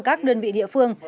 các đơn vị địa phương